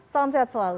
salam sehat selalu